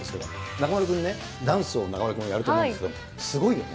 中丸君ね、ダンスを中丸君もやると思うんですけれども、すごいよね。